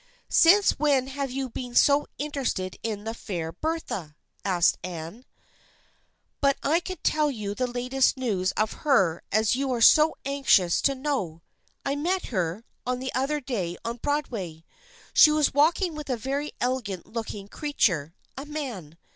" Since when have you been so interested in the fair Bertha ?" asked Anne. " But I can tell you the latest news of her as you are so anxious to know. I met her, the other day on Broadway. She was walking with a very elegant looking creature, a man.